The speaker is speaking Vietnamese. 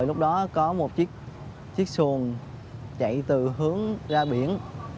lúc đó có một chiếc xuồng chạy từ hướng ra biển